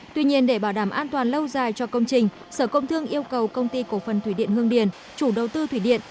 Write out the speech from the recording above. tuy nhiên để bảo đảm an toàn lâu dài cho công trình sở công thương yêu cầu công ty cổ phần thủy điện hương điền chủ đầu tư thủy điện